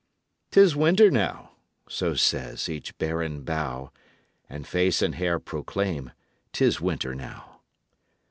"'T is winter now," so says each barren bough; And face and hair proclaim 't is winter now.